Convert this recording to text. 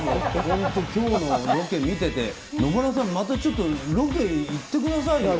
今日のロケを見ていて野村さん、またちょっとロケ行ってくださいよ。